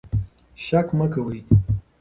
شک مه کوئ.